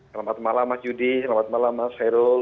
selamat malam mas yudi selamat malam mas khairul